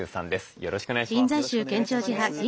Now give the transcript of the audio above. よろしくお願いします。